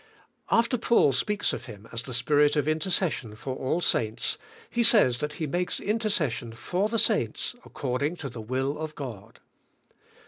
After Paul speaks of Him as the Spirit of intercession for all saints, he says He makes intercessiony^?;' the saints according to the will of God.